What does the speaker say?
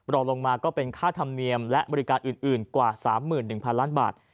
รองลงมาก็เป็นค่าธรรมเนียมและบริการอื่นกว่า๓๑๐๐๐ล้านบาท